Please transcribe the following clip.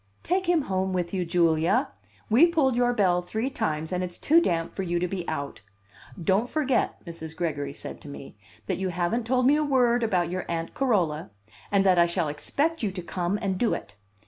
"Take him home with you, Julia. We pulled your bell three times, and it's too damp for you to be out. Don't forget," Mrs. Gregory said to me, "that you haven't told me a word about your Aunt Carola, and that I shall expect you to come and do it."